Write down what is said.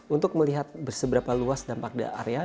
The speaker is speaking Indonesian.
untuk melihat berseberapa luas dampak daerah